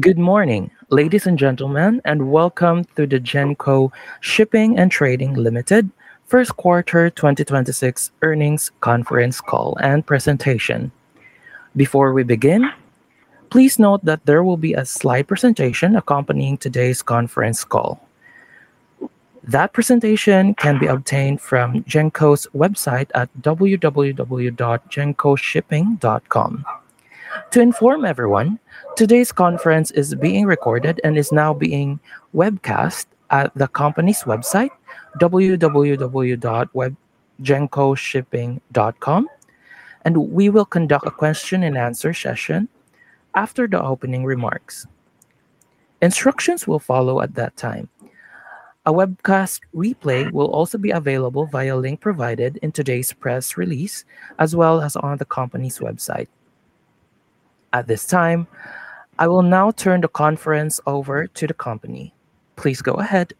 Good morning, ladies and gentlemen, welcome to the Genco Shipping & Trading Limited First Quarter 2026 Earnings conference call and presentation. Before we begin, please note that there will be a slide presentation accompanying today's conference call. That presentation can be obtained from Genco's website at www.gencoshipping.com. To inform everyone, today's conference is being recorded and is now being webcast at the company's website, www.gencoshipping.com, and we will conduct a question and answer session after the opening remarks. Instructions will follow at that time. A webcast replay will also be available via link provided in today's press release, as well as on the company's website. At this time, I will now turn the conference over to the company. Please go ahead.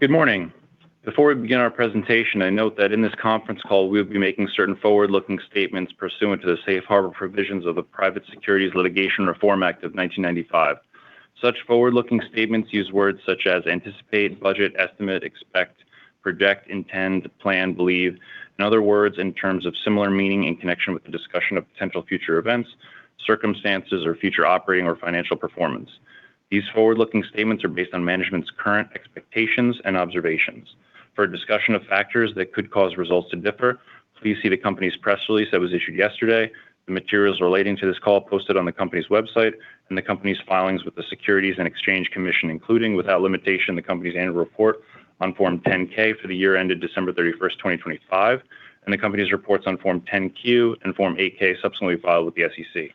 Good morning. Before we begin our presentation, I note that in this conference call we'll be making certain forward-looking statements pursuant to the safe harbor provisions of the Private Securities Litigation Reform Act of 1995. Such forward-looking statements use words such as anticipate, budget, estimate, expect, project, intend, plan, believe, and other words in terms of similar meaning in connection with the discussion of potential future events, circumstances, or future operating or financial performance. These forward-looking statements are based on management's current expectations and observations. For a discussion of factors that could cause results to differ, please see the company's press release that was issued yesterday, the materials relating to this call posted on the company's website and the company's filings with the Securities and Exchange Commission, including, without limitation, the company's annual report on Form 10-K for the year ended December 31, 2025, and the company's reports on Form 10-Q and Form 8-K subsequently filed with the SEC.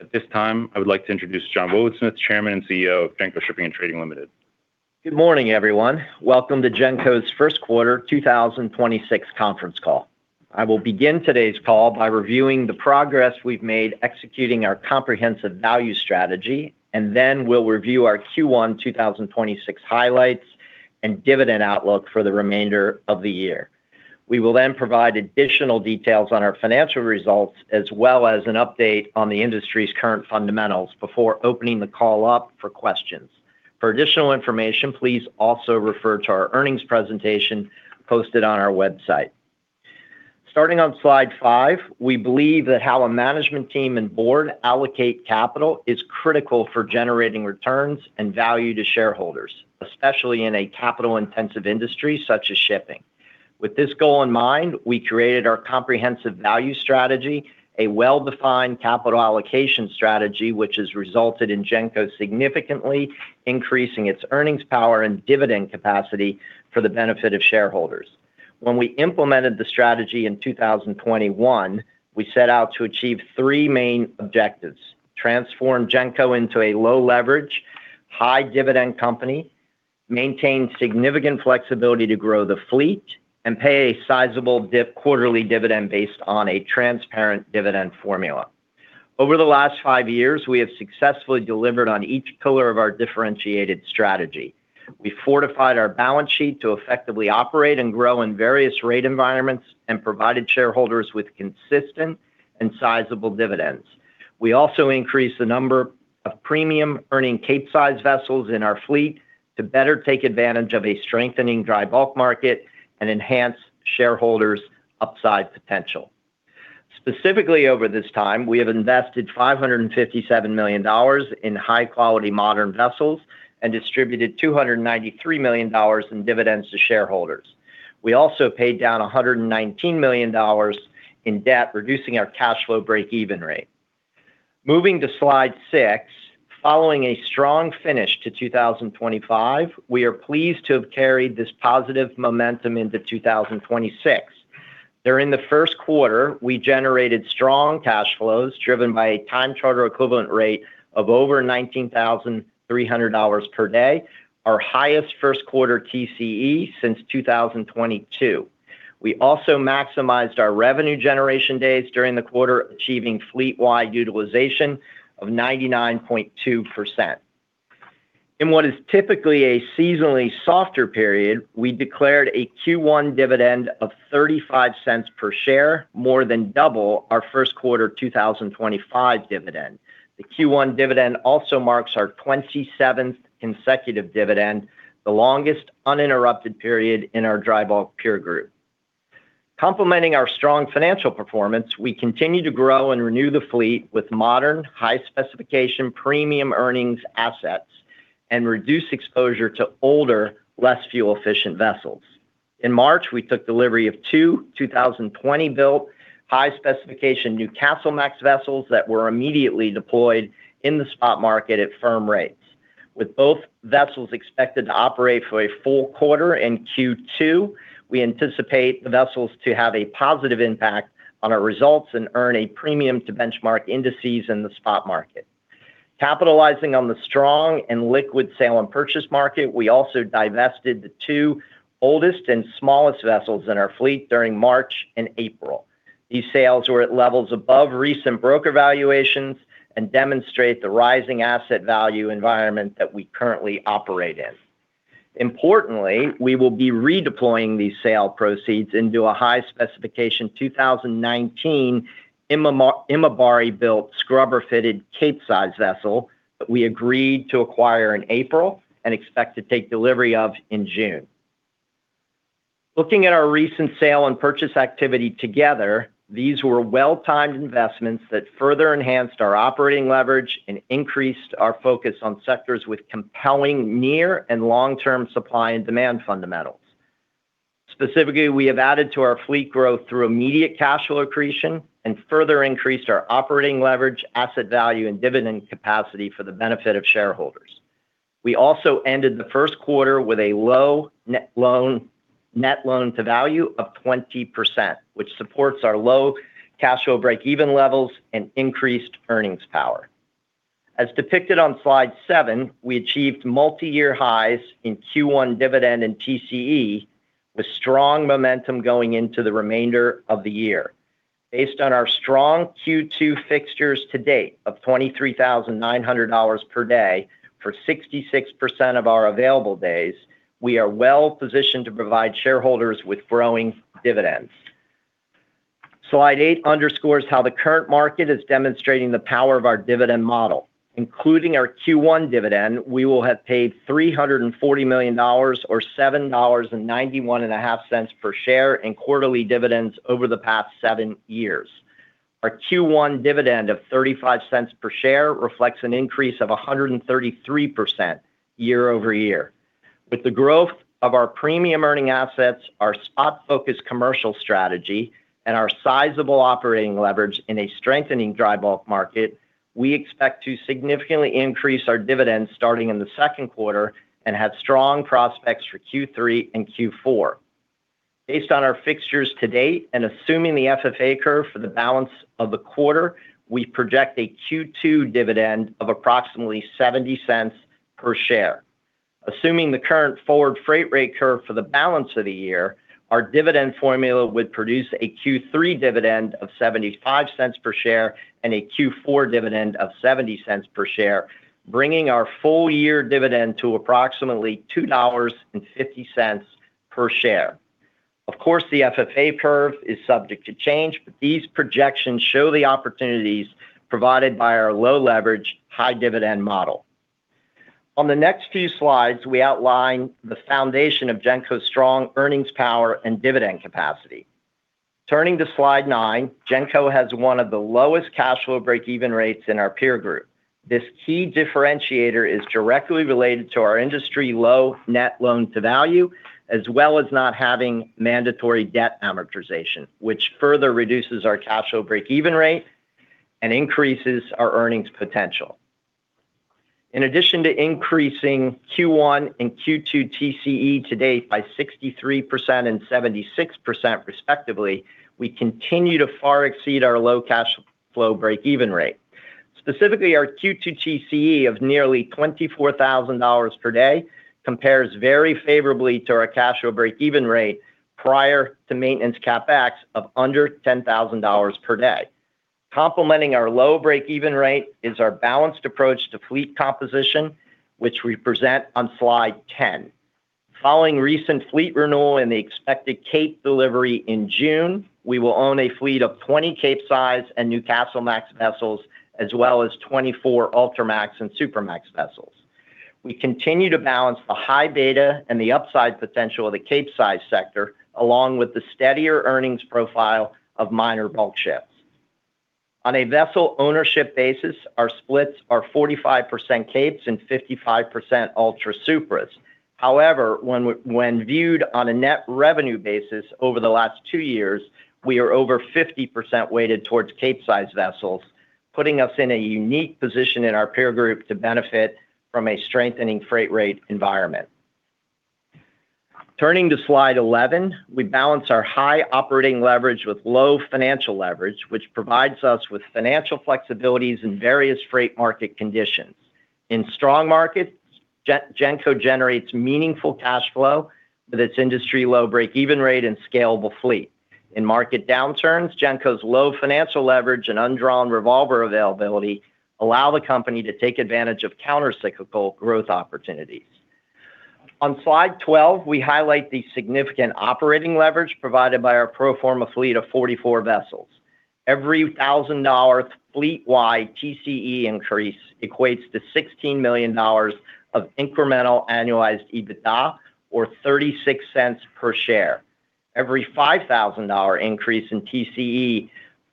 At this time, I would like to introduce John C. Wobensmith, Chairman and CEO of Genco Shipping & Trading Limited. Good morning, everyone. Welcome to Genco's first quarter 2026 conference call. I will begin today's call by reviewing the progress we've made executing our comprehensive value strategy. Then we'll review our Q1 2026 highlights and dividend outlook for the remainder of the year. We will then provide additional details on our financial results as well as an update on the industry's current fundamentals before opening the call up for questions. For additional information, please also refer to our earnings presentation posted on our website. Starting on slide five, we believe that how a management team and board allocate capital is critical for generating returns and value to shareholders, especially in a capital-intensive industry such as shipping. With this goal in mind, we created our comprehensive value strategy, a well-defined capital allocation strategy, which has resulted in Genco significantly increasing its earnings power and dividend capacity for the benefit of shareholders. When we implemented the strategy in 2021, we set out to achieve three main objectives: transform Genco into a low-leverage, high-dividend company, maintain significant flexibility to grow the fleet, and pay a sizable quarterly dividend based on a transparent dividend formula. Over the last five years, we have successfully delivered on each pillar of our differentiated strategy. We fortified our balance sheet to effectively operate and grow in various rate environments and provided shareholders with consistent and sizable dividends. We also increased the number of premium earning Capesize vessels in our fleet to better take advantage of a strengthening dry bulk market and enhance shareholders' upside potential. Specifically, over this time, we have invested $557 million in high-quality modern vessels and distributed $293 million in dividends to shareholders. We also paid down $119 million in debt, reducing our cash flow break-even rate. Moving to slide six, following a strong finish to 2025, we are pleased to have carried this positive momentum into 2026. During the first quarter, we generated strong cash flows driven by a time charter equivalent rate of over $19,300 per day, our highest first quarter TCE since 2022. We also maximized our revenue generation days during the quarter, achieving fleet-wide utilization of 99.2%. In what is typically a seasonally softer period, we declared a Q1 dividend of $0.35 per share, more than double our first quarter 2025 dividend. The Q1 dividend also marks our 27th consecutive dividend, the longest uninterrupted period in our dry bulk peer group. Complementing our strong financial performance, we continue to grow and renew the fleet with modern, high-specification premium earnings assets and reduce exposure to older, less fuel-efficient vessels. In March, we took delivery of two 2020-built high-specification Newcastlemax vessels that were immediately deployed in the spot market at firm rates. With both vessels expected to operate for a full quarter in Q2, we anticipate the vessels to have a positive impact on our results and earn a premium to benchmark indices in the spot market. Capitalizing on the strong and liquid sale and purchase market, we also divested the two oldest and smallest vessels in our fleet during March and April. These sales were at levels above recent broker valuations and demonstrate the rising asset value environment that we currently operate in. Importantly, we will be redeploying these sale proceeds into a high specification 2019 Imabari-built scrubber-fitted Capesize vessel that we agreed to acquire in April and expect to take delivery in June. Looking at our recent sale and purchase activity together, these were well-timed investments that further enhanced our operating leverage and increased our focus on sectors with compelling near and long-term supply and demand fundamentals. Specifically, we have added to our fleet growth through immediate cash flow accretion and further increased our operating leverage, asset value and dividend capacity for the benefit of shareholders. We also ended the first quarter with a low net loan-to-value of 20%, which supports our low cash flow breakeven levels and increased earnings power. As depicted on Slide seven, we achieved multi-year highs in Q1 dividend and TCE with strong momentum going into the remainder of the year. Based on our strong Q2 fixtures to date of $23,900 per day for 66% of our available days, we are well-positioned to provide shareholders with growing dividends. Slide eight underscores how the current market is demonstrating the power of our dividend model. Including our Q1 dividend, we will have paid $340 million or $7.915 per share in quarterly dividends over the past seven years. Our Q1 dividend of $0.35 per share reflects an increase of 133% year-over-year. With the growth of our premium earning assets, our spot-focused commercial strategy, and our sizable operating leverage in a strengthening dry bulk market, we expect to significantly increase our dividends starting in the second quarter and have strong prospects for Q3 and Q4. Based on our fixtures to date and assuming the FFA curve for the balance of the quarter, we project a Q2 dividend of approximately $0.70 per share. Assuming the current forward freight rate curve for the balance of the year, our dividend formula would produce a Q3 dividend of $0.75 per share and a Q4 dividend of $0.70 per share, bringing our full year dividend to approximately $2.50 per share. Of course, the FFA curve is subject to change, but these projections show the opportunities provided by our low leverage, high dividend model. On the next few slides, we outline the foundation of Genco's strong earnings power and dividend capacity. Turning to slide nine, Genco has one of the lowest cash flow breakeven rates in our peer group. This key differentiator is directly related to our industry low net loan-to-value, as well as not having mandatory debt amortization, which further reduces our cash flow breakeven rate and increases our earnings potential. In addition to increasing Q1 and Q2 TCE to date by 63% and 76% respectively, we continue to far exceed our low cash flow breakeven rate. Specifically, our Q2 TCE of nearly $24,000 per day compares very favorably to our cash flow breakeven rate prior to maintenance CapEx of under $10,000 per day. Complementing our low breakeven rate is our balanced approach to fleet composition, which we present on slide 10. Following recent fleet renewal and the expected Capesize delivery in June, we will own a fleet of 20 Capesize and Newcastlemax vessels as well as 24 Ultramax and Supramax vessels. We continue to balance the high beta and the upside potential of the Capesize sector along with the steadier earnings profile of minor bulk ships. On a vessel ownership basis, our splits are 45% Capes and 55% Ultra Supramaxes. When viewed on a net revenue basis over the last two years, we are over 50% weighted towards Capesize vessels, putting us in a unique position in our peer group to benefit from a strengthening freight rate environment. Turning to slide 11, we balance our high operating leverage with low financial leverage, which provides us with financial flexibilities in various freight market conditions. In strong markets, Genco generates meaningful cash flow with its industry low breakeven rate and scalable fleet. In market downturns, Genco's low financial leverage and undrawn revolver availability allow the company to take advantage of countercyclical growth opportunities. On slide 12, we highlight the significant operating leverage provided by our pro forma fleet of 44 vessels. Every $1,000 fleet-wide TCE increase equates to $16 million of incremental annualized EBITDA or $0.36 per share. Every $5,000 increase in TCE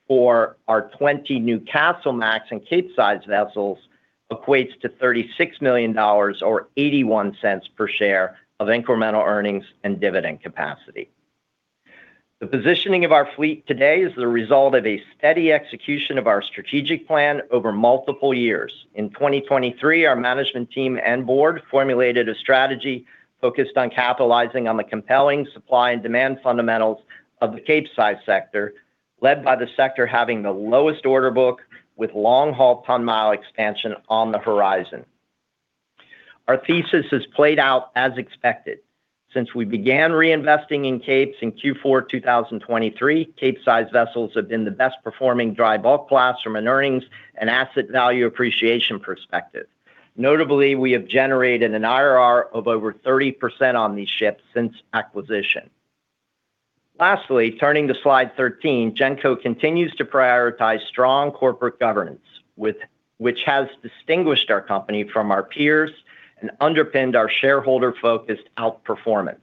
for our 20 Newcastlemax and Capesize vessels equates to $36 million or $0.81 per share of incremental earnings and dividend capacity. The positioning of our fleet today is the result of a steady execution of our strategic plan over multiple years. In 2023, our management team and board formulated a strategy focused on capitalizing on the compelling supply and demand fundamentals of the Capesize sector, led by the sector having the lowest order book with long-haul ton-mile expansion on the horizon. Our thesis has played out as expected. Since we began reinvesting in Capesize in Q4 2023, Capesize vessels have been the best-performing dry bulk class from an earnings and asset value appreciation perspective. Notably, we have generated an IRR of over 30% on these ships since acquisition. Lastly, turning to slide 13, Genco continues to prioritize strong corporate governance which has distinguished our company from our peers and underpinned our shareholder-focused outperformance.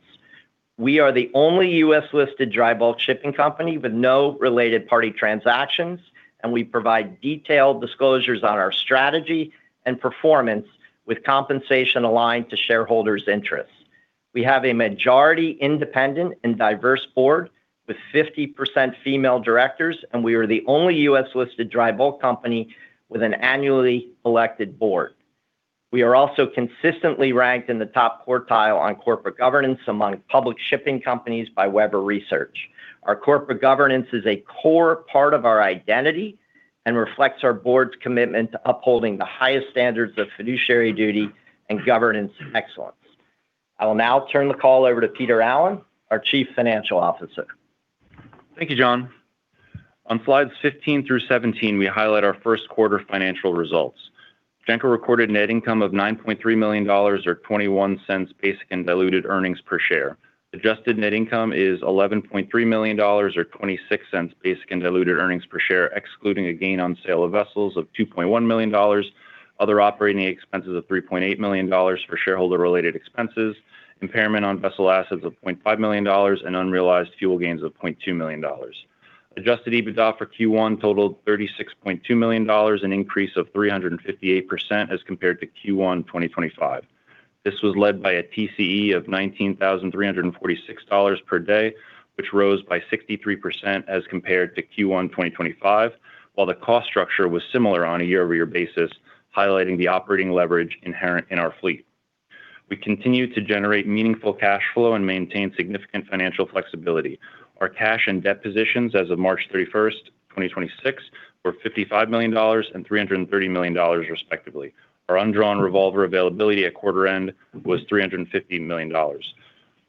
We are the only U.S.-listed dry bulk shipping company with no related party transactions. We provide detailed disclosures on our strategy and performance with compensation aligned to shareholders' interests. We have a majority independent and diverse board with 50% female directors. We are the only U.S.-listed dry bulk company with an annually elected board. We are also consistently ranked in the top quartile on corporate governance among public shipping companies by Webber Research. Our corporate governance is a core part of our identity and reflects our board's commitment to upholding the highest standards of fiduciary duty and governance excellence. I will now turn the call over to Peter Allen, our Chief Financial Officer. Thank you, John. On slides 15 through 17, we highlight our first quarter financial results. Genco recorded net income of $9.3 million or $0.21 basic and diluted earnings per share. Adjusted net income is $11.3 million or $0.26 basic and diluted earnings per share, excluding a gain on sale of vessels of $2.1 million, other operating expenses of $3.8 million for shareholder-related expenses, impairment on vessel assets of $0.5 million, and unrealized fuel gains of $0.2 million. Adjusted EBITDA for Q1 totaled $36.2 million, an increase of 358% as compared to Q1 2025. This was led by a TCE of $19,346 per day, which rose by 63% as compared to Q1 2025, while the cost structure was similar on a year-over-year basis, highlighting the operating leverage inherent in our fleet. We continue to generate meaningful cash flow and maintain significant financial flexibility. Our cash and debt positions as of March 31, 2026, were $55 million and $330 million, respectively. Our undrawn revolver availability at quarter end was $350 million.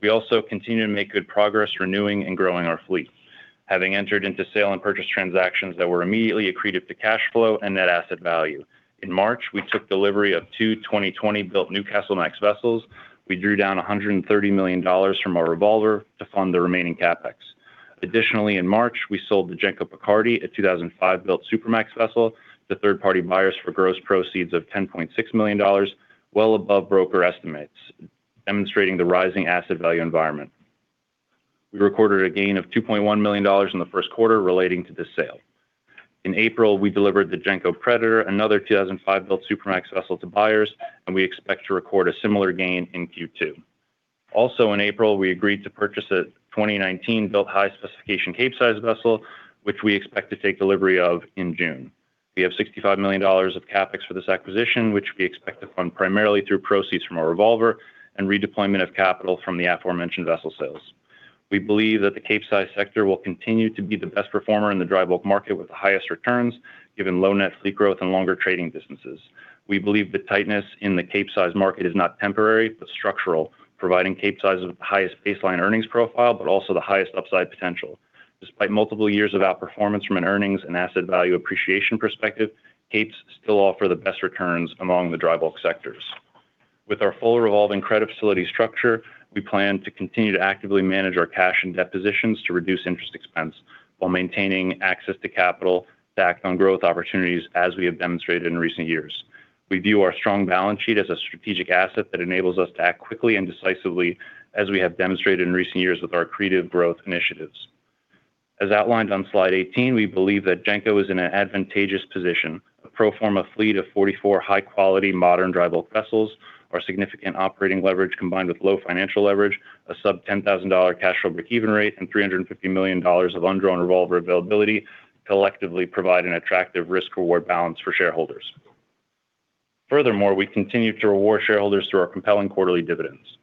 We also continue to make good progress renewing and growing our fleet. Having entered into sale and purchase transactions that were immediately accretive to cash flow and net asset value. In March, we took delivery of 2 2020-built Newcastlemax vessels. We drew down $130 million from our revolver to fund the remaining CapEx. Additionally, in March, we sold the Genco Picardy, a 2005-built Supramax vessel to third-party buyers for gross proceeds of $10.6 million, well above broker estimates, demonstrating the rising asset value environment. We recorded a gain of $2.1 million in the first quarter relating to this sale. In April, we delivered the Genco Predator, another 2005-built Supramax vessel to buyers, and we expect to record a similar gain in Q2. Also in April, we agreed to purchase a 2019-built high-specification Capesize vessel, which we expect to take delivery of in June. We have $65 million of CapEx for this acquisition, which we expect to fund primarily through proceeds from our revolver and redeployment of capital from the aforementioned vessel sales. We believe that the Capesize sector will continue to be the best performer in the dry bulk market with the highest returns, given low net fleet growth and longer trading distances. We believe the tightness in the Capesize market is not temporary but structural, providing Capesize with the highest baseline earnings profile but also the highest upside potential. Despite multiple years of outperformance from an earnings and asset value appreciation perspective, Capes still offer the best returns among the dry bulk sectors. With our full revolving credit facility structure, we plan to continue to actively manage our cash and debt positions to reduce interest expense while maintaining access to capital to act on growth opportunities, as we have demonstrated in recent years. We view our strong balance sheet as a strategic asset that enables us to act quickly and decisively, as we have demonstrated in recent years with our accretive growth initiatives. As outlined on slide 18, we believe that Genco is in an advantageous position. A pro forma fleet of 44 high-quality, modern dry bulk vessels, our significant operating leverage combined with low financial leverage, a sub $10,000 cash over breakeven rate, and $350 million of undrawn revolver availability collectively provide an attractive risk-reward balance for shareholders. Furthermore, we continue to reward shareholders through our compelling quarterly dividends.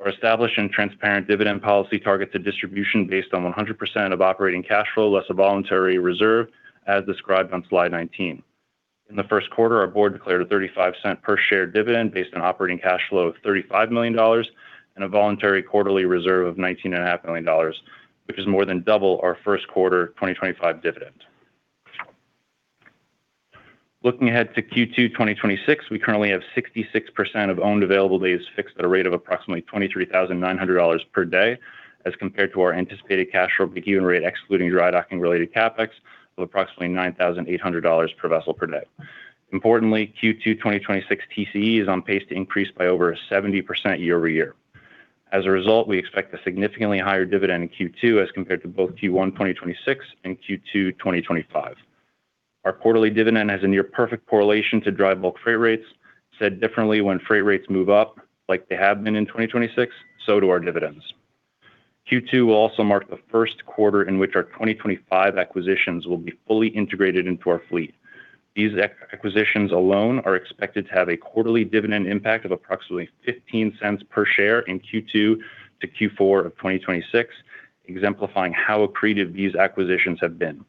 Our established and transparent dividend policy targets a distribution based on 100% of operating cash flow, less a voluntary reserve, as described on slide 19. In the first quarter, our board declared a $0.35 per share dividend based on operating cash flow of $35 million and a voluntary quarterly reserve of $19.5 Million dollars, which is more than double our first quarter 2025 dividend. Looking ahead to Q2 2026, we currently have 66% of owned available days fixed at a rate of approximately $23,900 per day as compared to our anticipated cash breakeven rate, excluding drydocking-related CapEx of approximately $9,800 per vessel per day. Importantly, Q2 2026 TCE is on pace to increase by over 70% year-over-year. As a result, we expect a significantly higher dividend in Q2 as compared to both Q1 2026 and Q2 2025. Our quarterly dividend has a near-perfect correlation to dry bulk freight rates. Said differently, when freight rates move up, like they have been in 2026, so do our dividends. Q2 will also mark the first quarter in which our 2025 acquisitions will be fully integrated into our fleet. These acquisitions alone are expected to have a quarterly dividend impact of approximately $0.15 per share in Q2 to Q4 of 2026, exemplifying how accretive these acquisitions have been.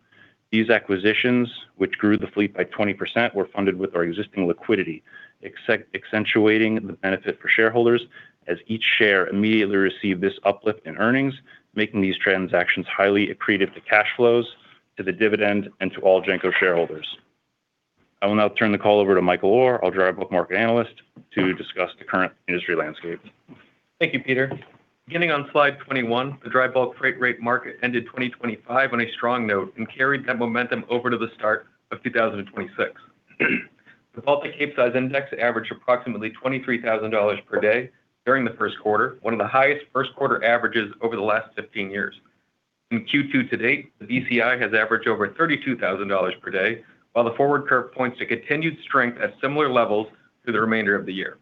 These acquisitions, which grew the fleet by 20%, were funded with our existing liquidity, accentuating the benefit for shareholders as each share immediately received this uplift in earnings, making these transactions highly accretive to cash flows, to the dividend, and to all Genco shareholders. I will now turn the call over to Michael Orr, our dry bulk market analyst, to discuss the current industry landscape. Thank you, Peter. Beginning on slide 21, the dry bulk freight rate market ended 2025 on a strong note and carried that momentum over to the start of 2026. The Baltic Capesize Index averaged approximately $23,000 per day during the first quarter, one of the highest first quarter averages over the last 15 years. In Q2 to date, the BCI has averaged over $32,000 per day, while the forward curve points to continued strength at similar levels through the remainder of the year.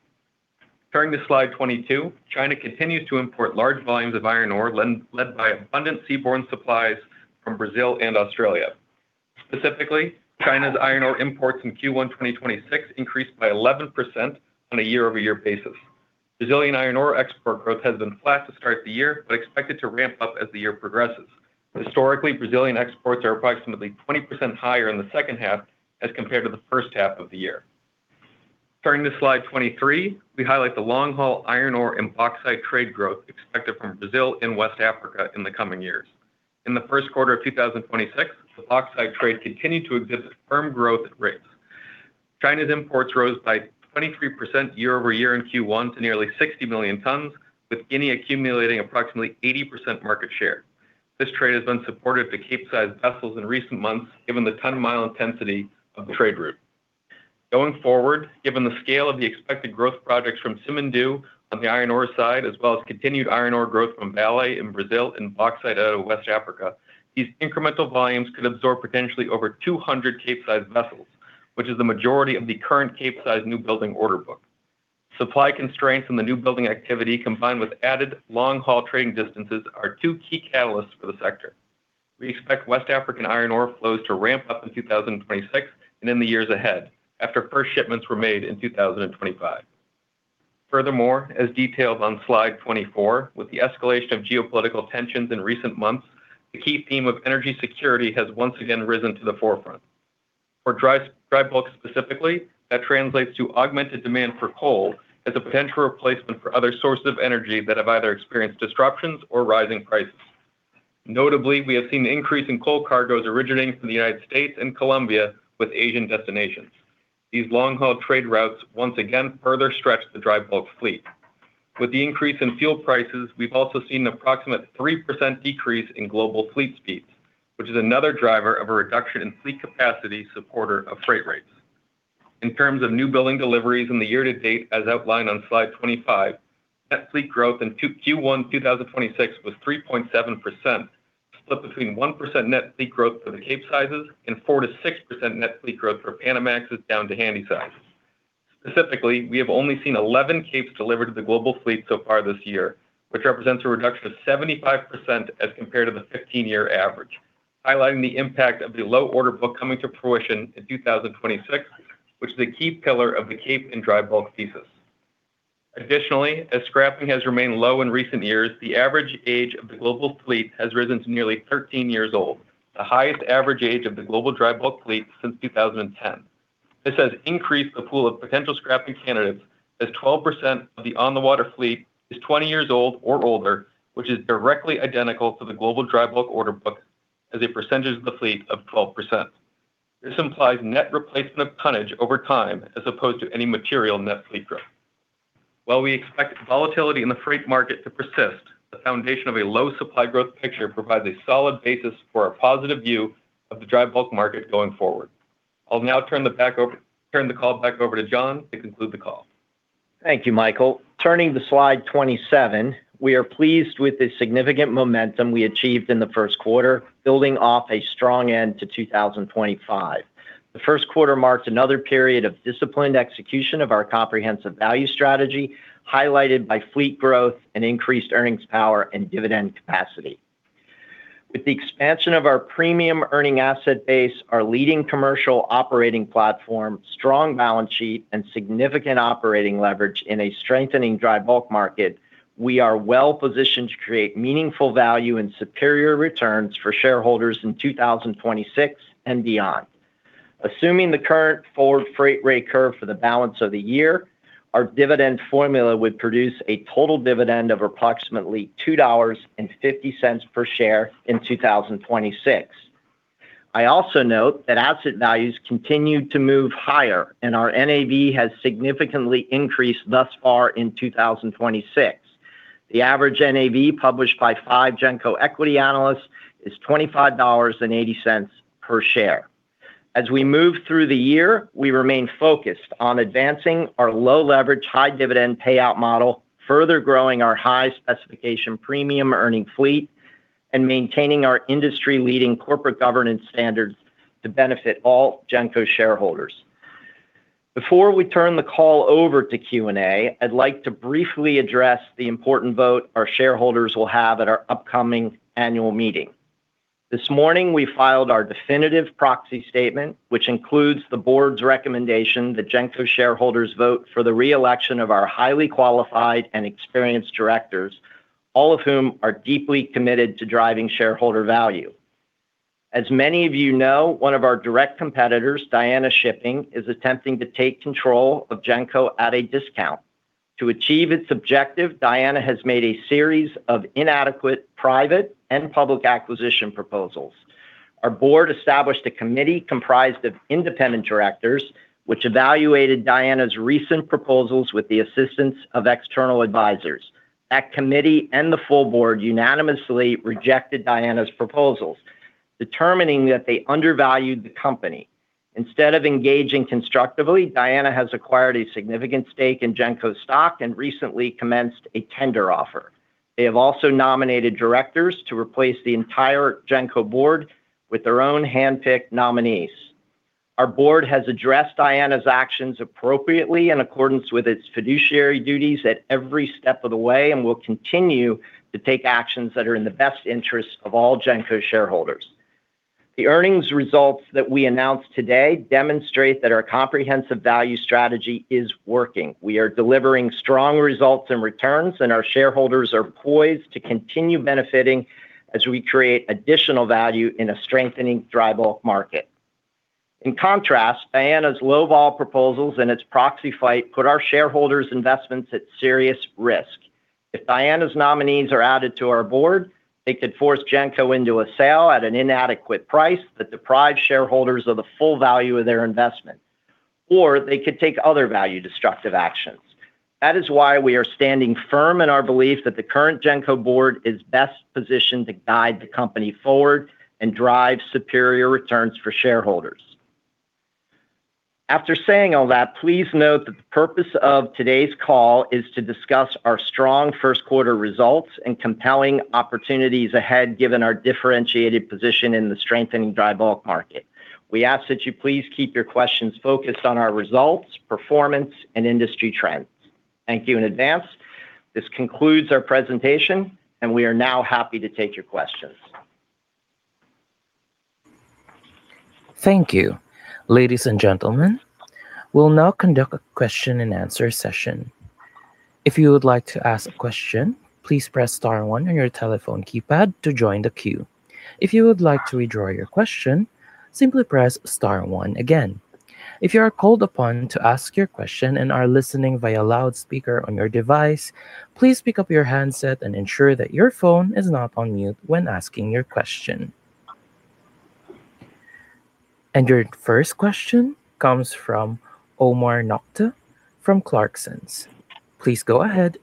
Turning to slide 22, China continues to import large volumes of iron ore, led by abundant seaborne supplies from Brazil and Australia. Specifically, China's iron ore imports in Q1 2026 increased by 11% on a year-over-year basis. Brazilian iron ore export growth has been flat to start the year, but expected to ramp up as the year progresses. Historically, Brazilian exports are approximately 20% higher in the second half as compared to the first half of the year. Turning to slide 23, we highlight the long-haul iron ore and bauxite trade growth expected from Brazil and West Africa in the coming years. In the first quarter of 2026, the bauxite trade continued to exhibit firm growth rates. China's imports rose by 23% year-over-year in Q1 to nearly 60 million tons, with Guinea accumulating approximately 80% market share. This trade has been supportive to Capesize vessels in recent months, given the ton-mile intensity of the trade route. Going forward, given the scale of the expected growth projects from Simandou on the iron ore side, as well as continued iron ore growth from Vale in Brazil and bauxite out of West Africa, these incremental volumes could absorb potentially over 200 Capesize vessels, which is the majority of the current Capesize new building order book. Supply constraints in the new building activity combined with added long-haul trading distances are two key catalysts for the sector. We expect West African iron ore flows to ramp up in 2026 and in the years ahead after first shipments were made in 2025. As detailed on slide 24, with the escalation of geopolitical tensions in recent months, the key theme of energy security has once again risen to the forefront. For dry bulk specifically, that translates to augmented demand for coal as a potential replacement for other sources of energy that have either experienced disruptions or rising prices. Notably, we have seen an increase in coal cargoes originating from the U.S. and Colombia with Asian destinations. These long-haul trade routes once again further stretch the dry bulk fleet. With the increase in fuel prices, we've also seen an approximate 3% decrease in global fleet speeds, which is another driver of a reduction in fleet capacity support of freight rates. In terms of new building deliveries in the year-to-date, as outlined on slide 25, net fleet growth in Q1 2026 was 3.7%, split between 1% net fleet growth for the Capesizes and 4%-6% net fleet growth for Panamax down to Handysizes. Specifically, we have only seen 11 Capes delivered to the global fleet so far this year, which represents a reduction of 75% as compared to the 15-year average, highlighting the impact of the low order book coming to fruition in 2026, which is a key pillar of the Cape and dry bulk thesis. Additionally, as scrapping has remained low in recent years, the average age of the global fleet has risen to nearly 13 years old, the highest average age of the global dry bulk fleet since 2010. This has increased the pool of potential scrapping candidates as 12% of the on-the-water fleet is 20 years old or older, which is directly identical to the global dry bulk order book as a percentage of the fleet of 12%. This implies net replacement of tonnage over time as opposed to any material net fleet growth. While we expect volatility in the freight market to persist, the foundation of a low supply growth picture provides a solid basis for a positive view of the dry bulk market going forward. I'll now turn the call back over to John to conclude the call. Thank you, Michael. Turning to slide 27, we are pleased with the significant momentum we achieved in the first quarter, building off a strong end to 2025. The first quarter marked another period of disciplined execution of our comprehensive value strategy, highlighted by fleet growth and increased earnings power and dividend capacity. With the expansion of our premium earning asset base, our leading commercial operating platform, strong balance sheet, and significant operating leverage in a strengthening dry bulk market, we are well-positioned to create meaningful value and superior returns for shareholders in 2026 and beyond. Assuming the current forward freight rate curve for the balance of the year, our dividend formula would produce a total dividend of approximately $2.50 per share in 2026. I also note that asset values continued to move higher and our NAV has significantly increased thus far in 2026. The average NAV published by five Genco equity analysts is $25.80 per share. As we move through the year, we remain focused on advancing our low leverage, high dividend payout model, further growing our high specification premium earning fleet, and maintaining our industry-leading corporate governance standards to benefit all Genco shareholders. Before we turn the call over to Q&A, I'd like to briefly address the important vote our shareholders will have at our upcoming annual meeting. This morning, we filed our definitive proxy statement, which includes the board's recommendation that Genco shareholders vote for the re-election of our highly qualified and experienced directors. All of whom are deeply committed to driving shareholder value. As many of you know, one of our direct competitors, Diana Shipping Inc., is attempting to take control of Genco at a discount. To achieve its objective, Diana has made a series of inadequate private and public acquisition proposals. Our board established a committee comprised of independent directors, which evaluated Diana's recent proposals with the assistance of external advisors. That committee and the full board unanimously rejected Diana's proposals, determining that they undervalued the company. Instead of engaging constructively, Diana has acquired a significant stake in Genco's stock and recently commenced a tender offer. They have also nominated directors to replace the entire Genco board with their own handpicked nominees. Our board has addressed Diana's actions appropriately in accordance with its fiduciary duties at every step of the way and will continue to take actions that are in the best interest of all Genco shareholders. The earnings results that we announced today demonstrate that our comprehensive value strategy is working. We are delivering strong results and returns, and our shareholders are poised to continue benefiting as we create additional value in a strengthening dry bulk market. In contrast, Diana's lowball proposals and its proxy fight put our shareholders' investments at serious risk. If Diana's nominees are added to our board, they could force Genco into a sale at an inadequate price that deprives shareholders of the full value of their investment. They could take other value-destructive actions. That is why we are standing firm in our belief that the current Genco board is best positioned to guide the company forward and drive superior returns for shareholders. After saying all that, please note that the purpose of today's call is to discuss our strong first quarter results and compelling opportunities ahead given our differentiated position in the strengthening dry bulk market. We ask that you please keep your questions focused on our results, performance, and industry trends. Thank you in advance. This concludes our presentation, and we are now happy to take your questions. Thank you. Ladies and gentlemen, we'll now conduct a question-and-answer session. If you would like to ask a question please press star one on your telephone keypad to join the queue, if you wish to withdraw your question simply press star one again. If you are called upon to ask a question and you're listening via loudspeaker on your device please pick up your handset and ensure that your phone is on mute when asking your question. Your first question comes from Omar Nokta from Clarksons. Please go ahead.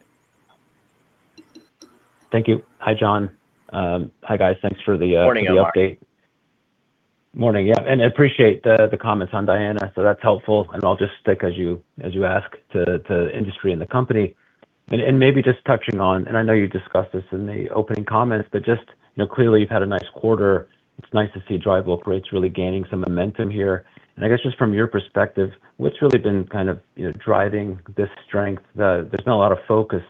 Thank you. Hi, John. Hi, guys. Thanks for the. Morning, Omar. the update. Morning. Yeah, appreciate the comments on Diana, that's helpful. I'll just stick as you ask to industry and the company. Maybe just touching on, I know you discussed this in the opening comments, just, you know, clearly you've had a nice quarter. It's nice to see dry bulk rates really gaining some momentum here. I guess just from your perspective, what's really been kind of, you know, driving this strength? There's been a lot of focus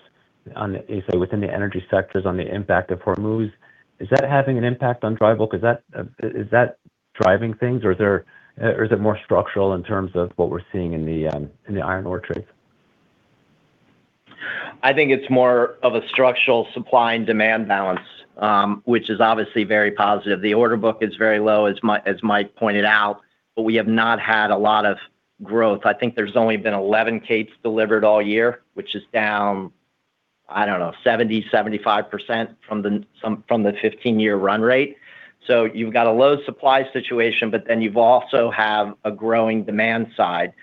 on, you say, within the energy sectors on the impact of Hormuz. Is that having an impact on dry bulk? Is that driving things, or is there or is it more structural in terms of what we're seeing in the iron ore trades? I think it's more of a structural supply and demand balance, which is obviously very positive. The order book is very low, as Michael Orr pointed out, we have not had a lot of growth. I think there's only been 11 Capes delivered all year, which is down, I don't know, 70%-75% from the 15-year run rate. You've got a low supply situation, you've also have a growing demand side.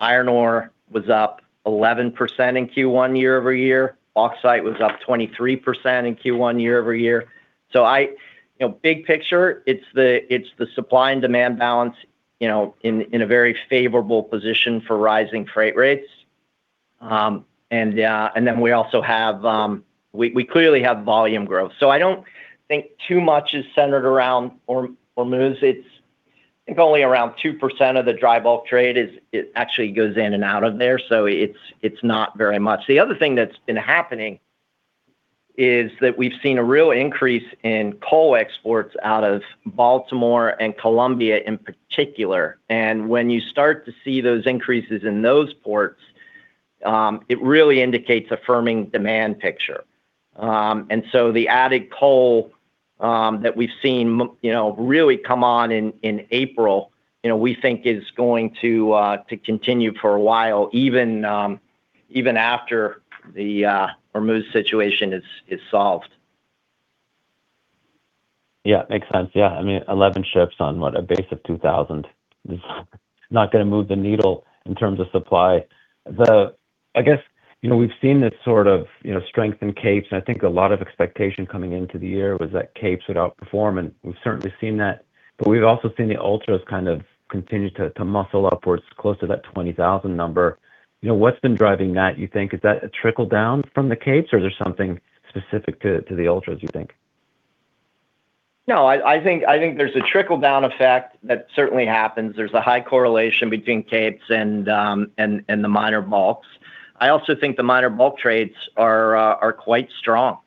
Iron ore was up 11% in Q1 year-over-year. Bauxite was up 23% in Q1 year-over-year. I, you know, big picture, it's the, it's the supply and demand balance, you know, in a very favorable position for rising freight rates. Then we also have, we clearly have volume growth. I don't think too much is centered around Hormuz. It's, I think, only around 2% of the dry bulk trade actually goes in and out of there. It's not very much. The other thing that's been happening is that we've seen a real increase in coal exports out of Baltimore and Colombia in particular. When you start to see those increases in those ports, it really indicates a firming demand picture. The added coal that we've seen, you know, really come on in April, you know, we think is going to continue for a while, even after the Hormuz situation is solved. Yeah. Makes sense. Yeah. I mean, 11 ships on what? A base of 2,000 is not gonna move the needle in terms of supply. I guess, you know, we've seen this sort of, you know, strength in Capes, and I think a lot of expectation coming into the year was that Capes would outperform, and we've certainly seen that. We've also seen the Ultras kind of continue to muscle upwards close to that 20,000 number. You know, what's been driving that, you think? Is that a trickle down from the Capes, or is there something specific to the Ultras, you think? No. I think there's a trickle-down effect that certainly happens. There's a high correlation between Capes and the minor bulks. I also think the minor bulk trades are quite strong.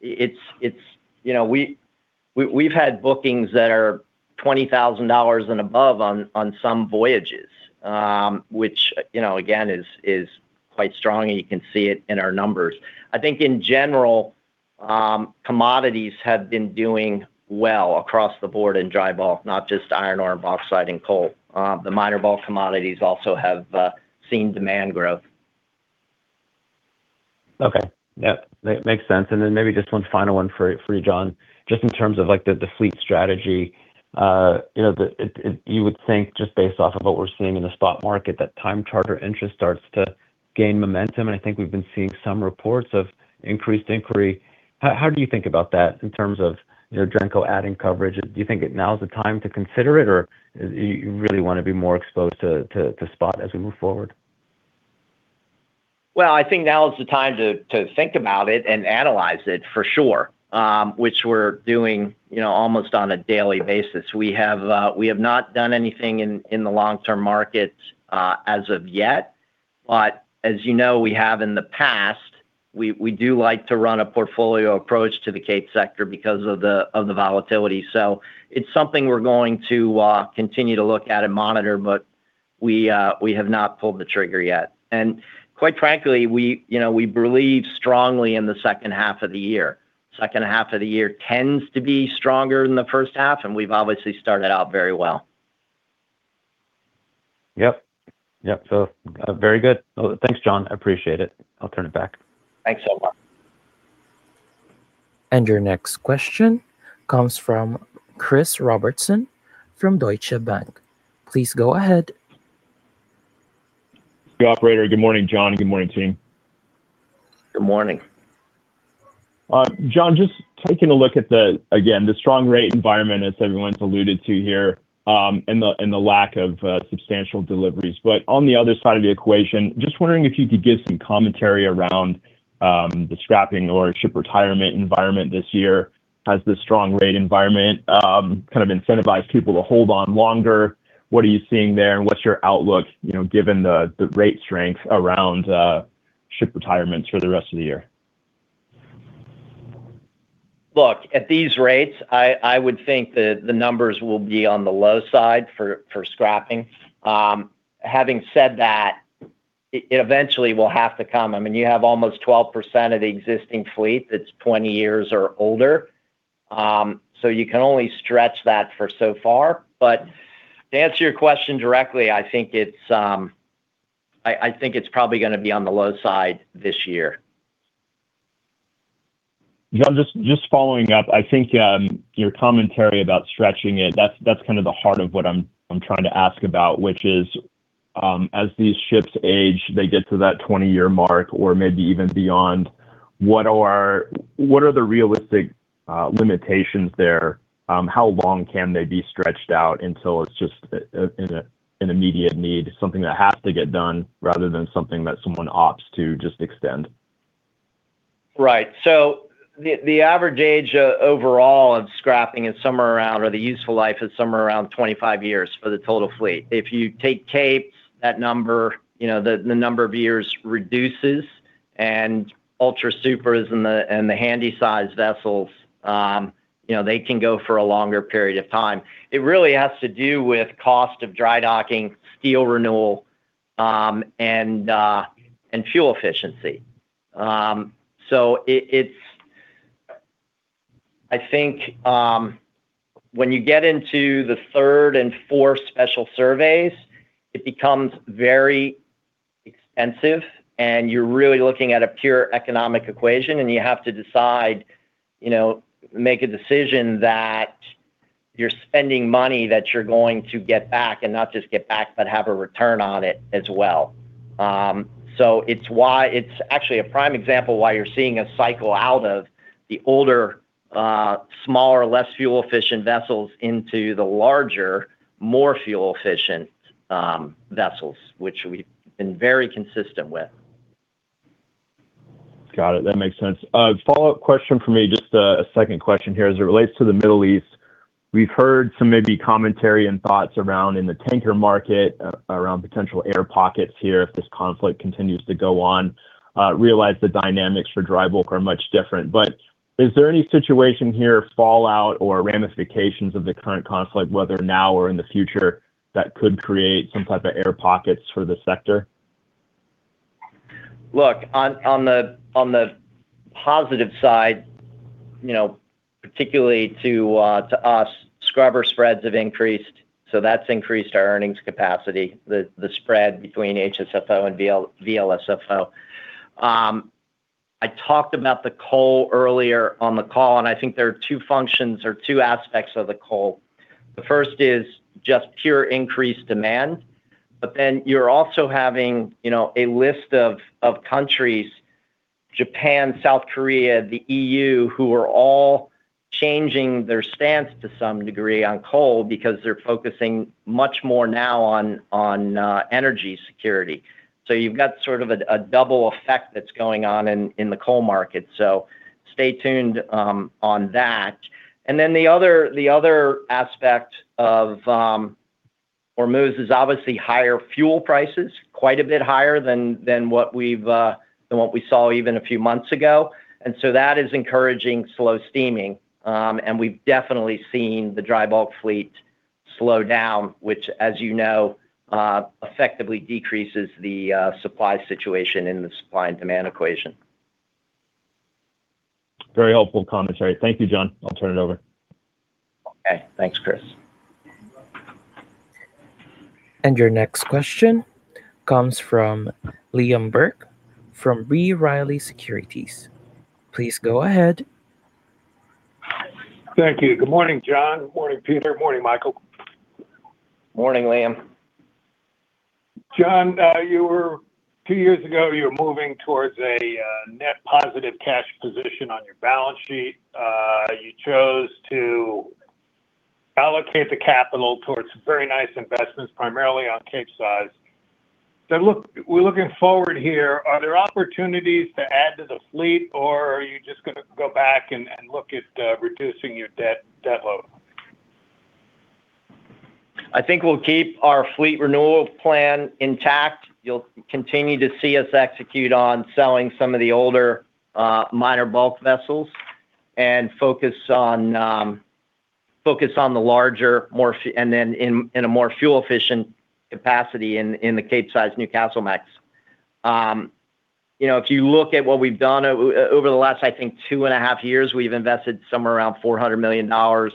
It's, you know, we've had bookings that are $20,000 and above on some voyages, which, you know, again, is quite strong, and you can see it in our numbers. I think in general, commodities have been doing well across the board in dry bulk, not just iron ore and bauxite and coal. The minor bulk commodities also have seen demand growth. Okay. Yep. That makes sense. Maybe just one final one for you, John. Just in terms of, like, the fleet strategy, you know, You would think just based off of what we're seeing in the spot market that time charter interest starts to gain momentum, and I think we've been seeing some reports of increased inquiry. How do you think about that in terms of, you know, Genco adding coverage? Do you think that now is the time to consider it, or do you really wanna be more exposed to spot as we move forward? I think now is the time to think about it and analyze it for sure, which we're doing, you know, almost on a daily basis. We have not done anything in the long-term markets as of yet, but as you know, we have in the past. We do like to run a portfolio approach to the Cape sector because of the volatility. It's something we're going to continue to look at and monitor, but we have not pulled the trigger yet. Quite frankly, we, you know, we believe strongly in the second half of the year. Second half of the year tends to be stronger than the first half, and we've obviously started out very well. Yep. Yep. Very good. Thanks, John. I appreciate it. I'll turn it back. Thanks so much. Your next question comes from Christopher Robertson from Deutsche Bank. Please go ahead. Thank you, operator. Good morning, John. Good morning, team. Good morning. John, just taking a look at the, again, the strong rate environment as everyone's alluded to here, and the, and the lack of substantial deliveries. On the other side of the equation, just wondering if you could give some commentary around the scrapping or ship retirement environment this year. Has the strong rate environment kind of incentivized people to hold on longer? What are you seeing there, and what's your outlook, you know, given the rate strength around ship retirements for the rest of the year? Look, at these rates, I would think the numbers will be on the low side for scrapping. Having said that, it eventually will have to come. I mean, you have almost 12% of the existing fleet that's 20 years or older. So you can only stretch that for so far. To answer your question directly, I think it's, I think it's probably gonna be on the low side this year. John, just following up, I think, your commentary about stretching it, that's kind of the heart of what I'm trying to ask about, which is, as these ships age, they get to that 20-year mark or maybe even beyond, what are the realistic limitations there? How long can they be stretched out until it's just an immediate need, something that has to get done rather than something that someone opts to just extend? Right. The average age overall of scrapping is somewhere around, or the useful life is somewhere around 25 years for the total fleet. If you take Capes, that number, you know, the number of years reduces, and Ultramax Supramax and the Handysize vessels, you know, they can go for a longer period of time. It really has to do with cost of dry docking, steel renewal, and fuel efficiency. It's I think, when you get into the third and fourth special surveys, it becomes very expensive, and you're really looking at a pure economic equation, and you have to decide, you know, make a decision that you're spending money that you're going to get back, and not just get back, but have a return on it as well. It's actually a prime example why you're seeing a cycle out of the older, smaller, less fuel-efficient vessels into the larger, more fuel-efficient vessels, which we've been very consistent with. Got it. That makes sense. Follow-up question from me, just a second question here as it relates to the Middle East. We've heard some maybe commentary and thoughts around in the tanker market around potential air pockets here if this conflict continues to go on. Realize the dynamics for dry bulk are much different. Is there any situation here, fallout, or ramifications of the current conflict, whether now or in the future, that could create some type of air pockets for the sector? Look, on the, on the positive side, you know, particularly to us, scrubber spreads have increased, so that's increased our earnings capacity, the spread between HSFO and VLSFO. I talked about the coal earlier on the call, I think there are two functions or two aspects of the coal. The first is just pure increased demand, you're also having, you know, a list of countries, Japan, South Korea, the EU, who are all changing their stance to some degree on coal because they're focusing much more now on energy security. You've got sort of a double effect that's going on in the coal market. Stay tuned on that. The other aspect of Or moves is obviously higher fuel prices, quite a bit higher than what we've than what we saw even a few months ago. That is encouraging slow steaming. We've definitely seen the dry bulk fleet slow down, which as you know, effectively decreases the supply situation in the supply and demand equation. Very helpful commentary. Thank you, John. I'll turn it over. Okay. Thanks, Chris. Your next question comes from Liam Burke from B. Riley Securities. Please go ahead. Thank you. Good morning, John. Morning, Peter. Morning, Michael. Morning, Liam. John, two years ago, you were moving towards a net positive cash position on your balance sheet. You chose to allocate the capital towards very nice investments, primarily on Capesize. We're looking forward here, are there opportunities to add to the fleet, or are you just gonna go back and look at reducing your debt load? I think we'll keep our fleet renewal plan intact. You'll continue to see us execute on selling some of the older, minor bulk vessels and focus on the larger, more fuel efficient capacity in the Capesize Newcastlemax. You know, if you look at what we've done over the last, I think, 2.5 years, we've invested somewhere around $400 million.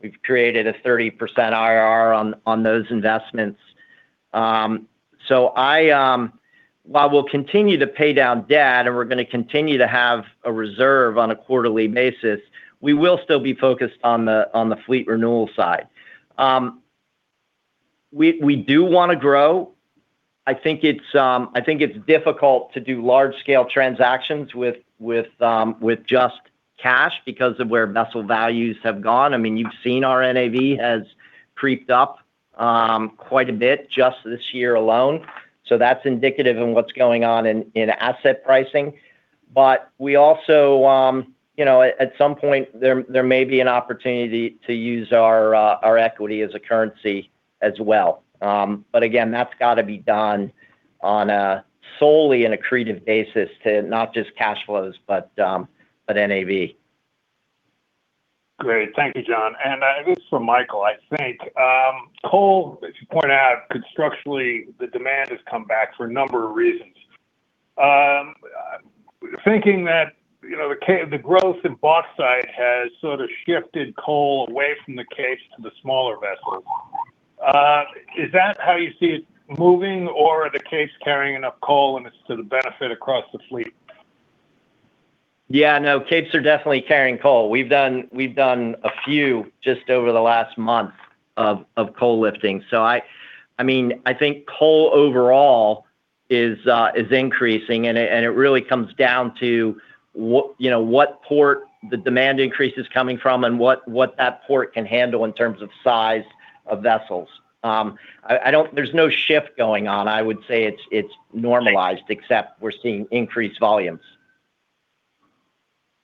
We've created a 30% IRR on those investments. While we'll continue to pay down debt and we're gonna continue to have a reserve on a quarterly basis, we will still be focused on the fleet renewal side. We do wanna grow. I think it's, I think it's difficult to do large scale transactions with just cash because of where vessel values have gone. I mean, you've seen our NAV has creeped up, quite a bit just this year alone, so that's indicative in what's going on in asset pricing. We also, you know, at some point there may be an opportunity to use our equity as a currency as well. Again, that's gotta be done on a solely in accretive basis to not just cash flows, but NAV. Great. Thank you, John. This is for Michael, I think. Coal, as you point out, constructionally, the demand has come back for a number of reasons. Thinking that, you know, the growth in bauxite has sort of shifted coal away from the case to the smaller vessels, is that how you see it moving, or are the Capes carrying enough coal and it's to the benefit across the fleet? Yeah, no, Capes are definitely carrying coal. We've done a few just over the last month of coal lifting. I mean, I think coal overall is increasing and it really comes down to what, you know, what port the demand increase is coming from and what that port can handle in terms of size of vessels. There's no shift going on. I would say it's normalized except we're seeing increased volumes.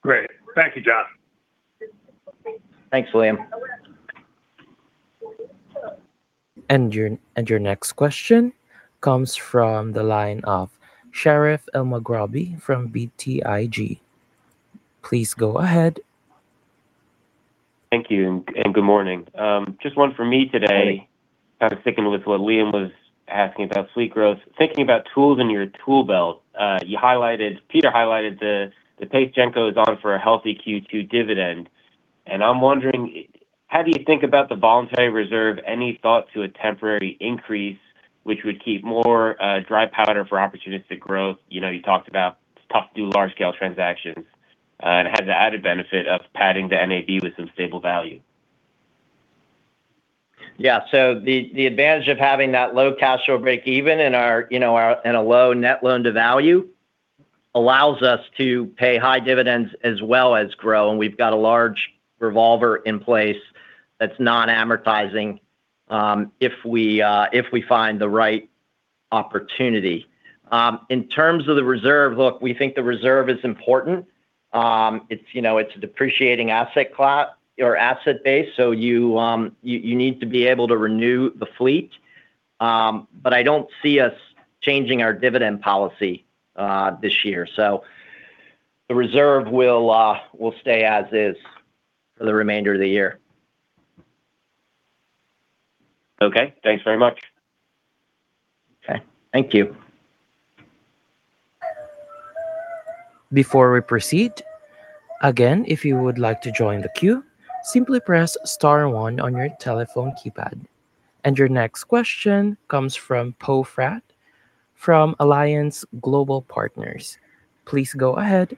Great. Thank you, John. Thanks, Liam. Your next question comes from the line of Sherif Elmaghrabi from BTIG. Please go ahead. Thank you and good morning. Just one for me today. Kind of sticking with what Liam was asking about fleet growth. Thinking about tools in your tool belt, you highlighted, Peter highlighted the pace Genco is on for a healthy Q2 dividend. I'm wondering how do you think about the voluntary reserve? Any thought to a temporary increase which would keep more dry powder for opportunistic growth? You know, you talked about it's tough to do large scale transactions. It has the added benefit of padding the NAV with some stable value. The advantage of having that low cash short break even in our, you know, our, in a low net loan-to-value allows us to pay high dividends as well as grow, and we've got a large revolver in place that's non-amortizing, if we find the right opportunity. In terms of the reserve, look, we think the reserve is important. It's, you know, it's a depreciating asset class or asset base, so you need to be able to renew the fleet. I don't see us changing our dividend policy this year. The reserve will stay as is for the remainder of the year. Okay. Thanks very much. Okay. Thank you. Before we proceed, again, if you would like to join the queue, simply press star one on your telephone keypad. Your next question comes from Poe Fratt from Alliance Global Partners. Please go ahead.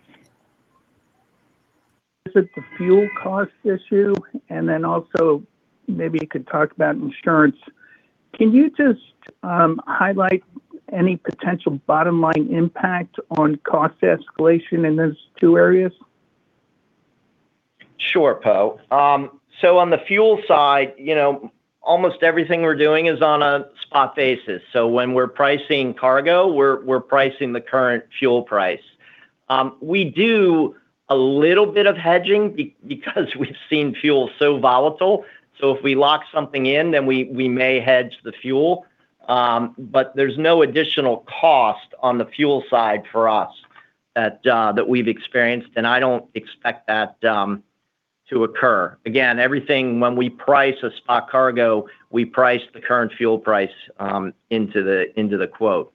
Is it the fuel cost issue, and then also maybe you could talk about insurance. Can you just highlight any potential bottom line impact on cost escalation in those two areas? Sure, Poe. On the fuel side, you know, almost everything we're doing is on a spot basis. When we're pricing cargo, we're pricing the current fuel price. We do a little bit of hedging because we've seen fuel so volatile. If we lock something in, we may hedge the fuel. There's no additional cost on the fuel side for us that we've experienced, and I don't expect that to occur. Again, everything. When we price a spot cargo, we price the current fuel price into the quote.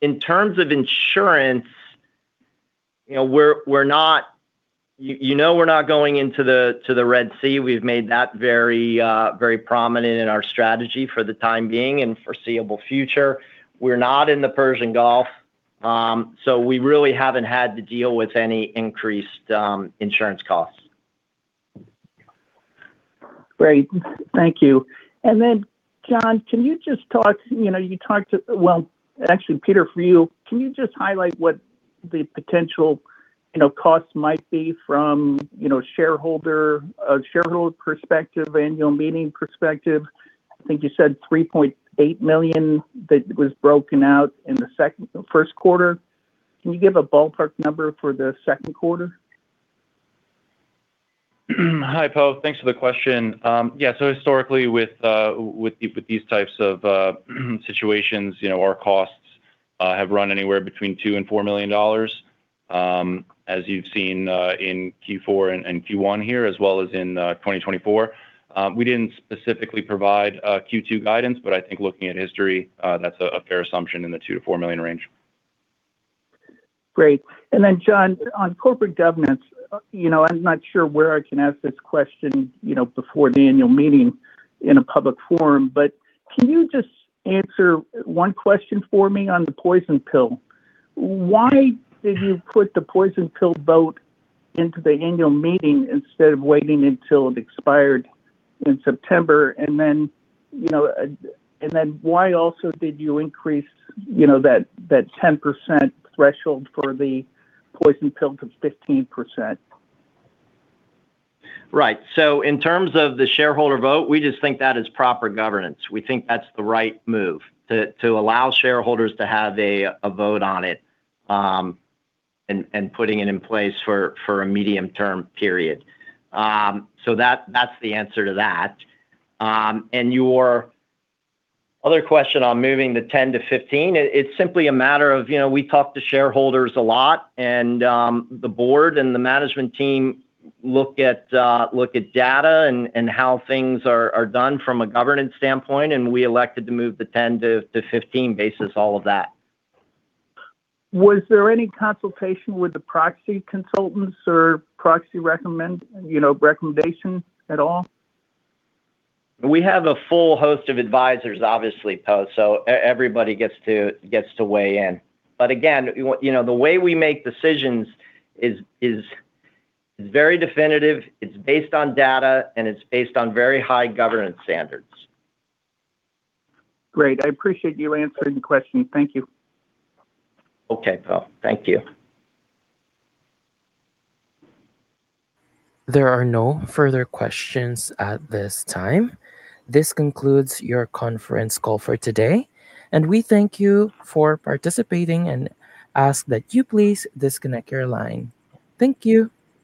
In terms of insurance, you know, we're not, you know, we're not going into the Red Sea. We've made that very, very prominent in our strategy for the time being and foreseeable future. We're not in the Persian Gulf. We really haven't had to deal with any increased insurance costs. Great. Thank you. Then, John, can you just talk, you know, you talked to Well, actually, Peter, for you, can you just highlight what the potential, you know, costs might be from, you know, shareholder, a shareholder perspective, annual meeting perspective? I think you said $3.8 million that was broken out in the second, first quarter. Can you give a ballpark number for the second quarter? Hi, Poe. Thanks for the question. Yeah, historically with these types of situations, you know, our costs have run anywhere between $2 million and $4 million, as you've seen in Q4 and Q1 here, as well as in 2024. We didn't specifically provide Q2 guidance, I think looking at history, that's a fair assumption in the $2 million-$4 million range. Great. John, on corporate governance, you know, I'm not sure where I can ask this question, you know, before the annual meeting in a public forum, but can you just answer one question for me on the poison pill? Why did you put the poison pill vote into the annual meeting instead of waiting until it expired in September? Why also did you increase, you know, that 10% threshold for the poison pill to 15%? Right. In terms of the shareholder vote, we just think that is proper governance. We think that's the right move to allow shareholders to have a vote on it and putting it in place for a medium-term period. That's the answer to that. Your other question on moving the 10 to 15, it's simply a matter of, you know, we talk to shareholders a lot and the board and the management team look at data and how things are done from a governance standpoint, and we elected to move the 10 to 15 based on all of that. Was there any consultation with the proxy consultants or proxy recommend, you know, recommendations at all? We have a full host of advisors, obviously, Poe, everybody gets to weigh in. Again, you know, the way we make decisions is very definitive, it's based on data, and it's based on very high governance standards. Great. I appreciate you answering the question. Thank you. Okay, Poe. Thank you. There are no further questions at this time. This concludes your conference call for today. We thank you for participating and ask that you please disconnect your line. Thank you.